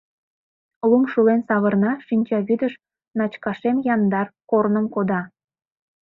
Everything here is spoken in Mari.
Лум шулен савырна шинчавӱдыш, Начкашем яндар корным кода.